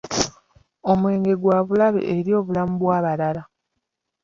Omwenge gwa bulabe eri obulamu bw'abalala.